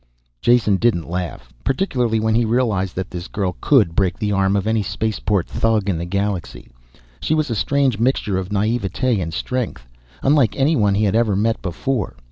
Jason didn't laugh. Particularly when he realized that this girl could break the arm of any spaceport thug in the galaxy. She was a strange mixture of naivete and strength, unlike anyone he had ever met before.